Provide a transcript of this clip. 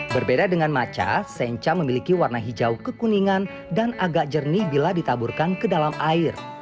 berbeda dengan macha sencha memiliki warna hijau kekuningan dan agak jernih bila ditaburkan ke dalam air